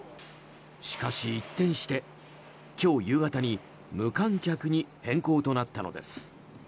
しかし一転して、今日夕方に無観客に変更となったのです。